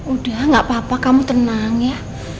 udah gak apa apa kamu tenang ya